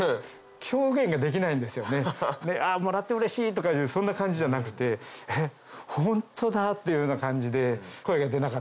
「もらってうれしい」とかいうそんな感じじゃなくて「えっホントだ」っていうような感じで。